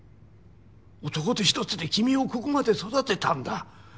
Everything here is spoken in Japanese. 男手ひとつで君をここまで育てたんだ。